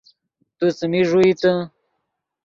تو څیمین ݱوئیتے